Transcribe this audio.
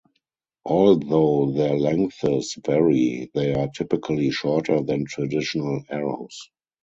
Although their lengths vary, they are typically shorter than traditional arrows.